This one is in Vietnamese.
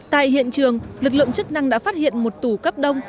tại hiện trường lực lượng chức năng đã phát hiện một tủ cấp đông